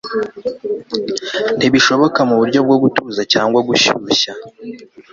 Ntibishoboka muburyo bwo gutuza cyangwa gushyushya